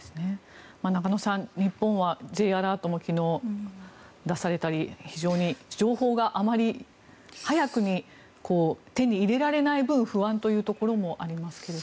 中野さん日本はＪアラートも昨日、出されたり非常に情報があまり早くに手に入れられない分不安というところもありますが。